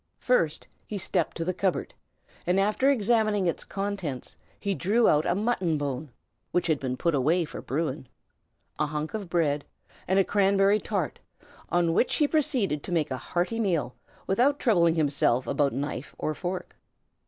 First he stepped to the cupboard, and after examining its contents he drew out a mutton bone (which had been put away for Bruin), a hunch of bread, and a cranberry tart, on which he proceeded to make a hearty meal, without troubling himself about knife or fork.